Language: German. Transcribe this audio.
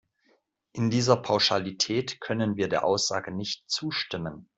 In dieser Pauschalität können wir der Aussage nicht zustimmen.